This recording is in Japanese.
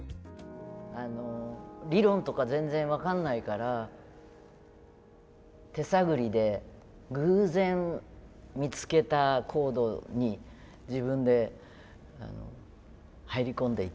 理論とか全然分かんないから手探りで偶然見つけたコードに自分で入り込んでいって。